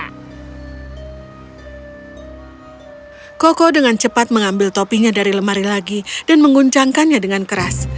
hai koko dengan cepat mengambil topinya dari lemari lagi dan menguncangkan nya dengan keras